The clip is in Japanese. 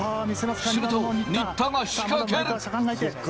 すると新田が仕掛ける。